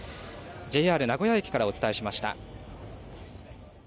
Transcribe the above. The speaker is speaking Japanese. ＪＲ名古屋駅からお伝えしました。